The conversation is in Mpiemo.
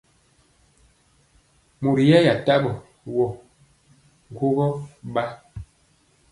Mori yɛya tambɔ wɔ gwogɔ ɓa.